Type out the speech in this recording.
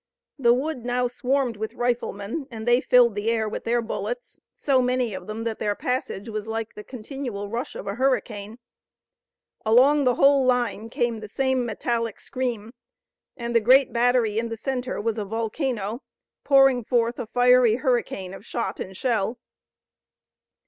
The wood now swarmed with riflemen and they filled the air with their bullets, so many of them that their passage was like the continual rush of a hurricane. Along the whole line came the same metallic scream, and the great battery in the center was a volcano, pouring forth a fiery hurricane of shot and shell.